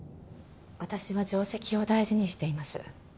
私は定跡を大事にしています。